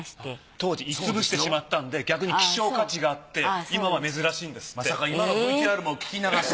当時鋳つぶしてしまったんで逆に希少価値があって今は珍しいんですって。